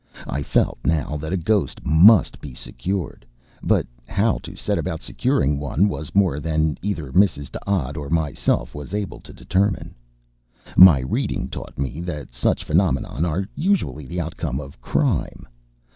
I felt now that a ghost must be secured, but how to set about securing one was more than either Mrs. D'Odd or myself was able to determine. My reading taught me that such phenomena are usually the outcome of crime.